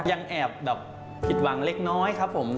ยังแอบแบบผิดหวังเล็กน้อยครับผม